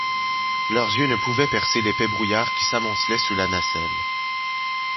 Leurs yeux ne pouvaient percer l’épais brouillard qui s’amoncelait sous la nacelle